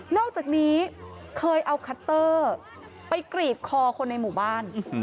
อกจากนี้เคยเอาคัตเตอร์ไปกรีดคอคนในหมู่บ้าน